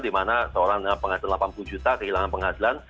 di mana seorang penghasilan delapan puluh juta kehilangan penghasilan